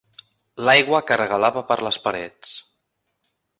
L'aigua que regalava per les parets.